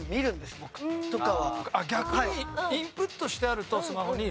あっ逆にインプットしてあるとスマホに。